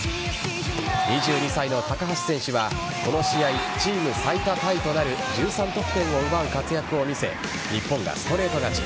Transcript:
２２歳の高橋選手はこの試合、チーム最多タイとなる１３得点を奪う活躍を見せ日本がストレート勝ち。